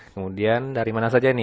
kemudian dari mana saja ini